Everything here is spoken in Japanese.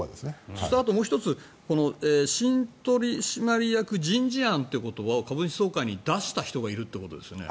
そしてもう１つ新取締役人事案ということは株主総会に出した人がいるってことですよね。